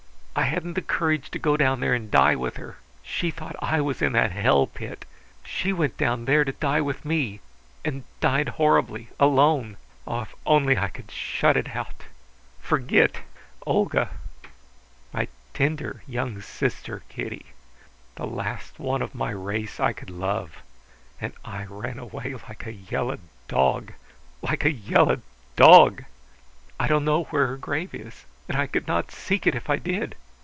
I hadn't the courage to go down there and die with her! She thought I was in that hell pit. She went down there to die with me and died horribly, alone! Ah, if I could only shut it out, forget! Olga, my tender young sister, Kitty, the last one of my race I could love. And I ran away like a yellow dog, like a yellow dog! I don't know where her grave is, and I could not seek it if I did!